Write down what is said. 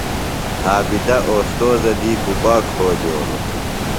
عابدہ استوذہ دی گُبا کھوجولوۡ؟